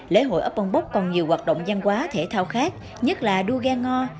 lễ hội ấp bông bốc còn nhiều hoạt động giang quá thể thao khác nhất là đua ga ngo